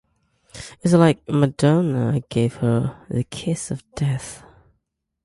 It's like Madonna gave her the kiss of death!